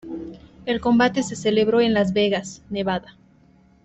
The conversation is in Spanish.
El combate se celebró en Las Vegas, Nevada.